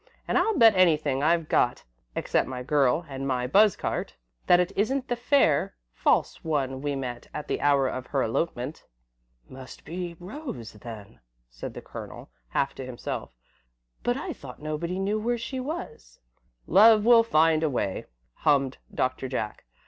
And I'll bet anything I've got, except my girl and my buzz cart, that it isn't the fair, false one we met at the hour of her elopement." "Must be Rose, then," said the Colonel, half to himself, "but I thought nobody knew where she was." "Love will find a way," hummed Doctor Jack.